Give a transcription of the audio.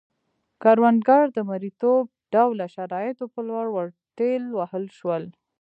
کروندګر د مریتوب ډوله شرایطو په لور ورټېل وهل شول